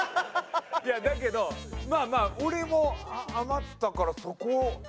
だけどまあまあ俺も余ったからそこ。